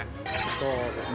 ◆そうですね。